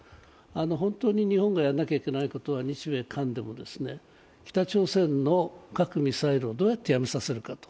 本当に日本がやらなきゃいけないことは、日米韓でも、北朝鮮の核ミサイルをどうやってやめさせるかと。